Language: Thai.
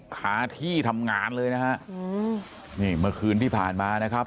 ขาที่ทำงานเลยนะฮะอืมนี่เมื่อคืนที่ผ่านมานะครับ